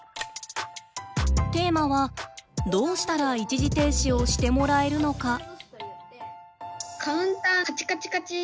テーマはどうしたら一時停止をしてもらえるのか。